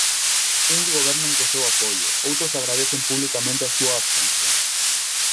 Uns gobernan co seu apoio, outros agradecen publicamente a súa abstención.